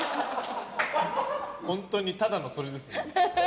ホントにただのそれですね。